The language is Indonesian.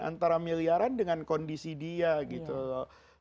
antara miliaran dengan kondisi dia gitu loh